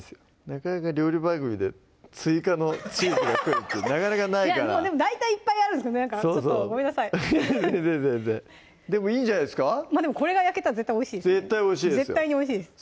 なかなか料理番組で追加のチーズが来るってなかなかないからでも大体いっぱいあるんですちょっとごめんなさい全然全然でもいいんじゃないですかまぁこれが焼けたらおいしいです